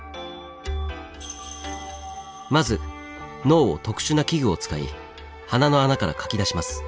まず脳を特殊な器具を使い鼻の穴からかき出します。